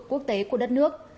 quốc tế của đất nước